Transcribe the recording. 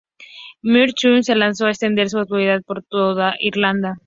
Muirchertach se lanzó a extender su autoridad por toda Irlanda.